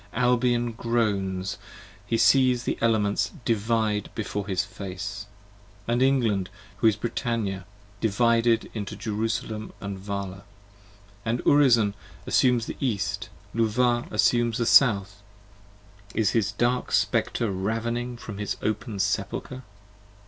Albion groans, he sees the Elements divide before his face, And England, who is Brittannia, divided into Jerusalem & Vala : And Urizen assumes the East, Luvah assumes the South, 30 Is his dark Spectre ravening from his open Sepulcher.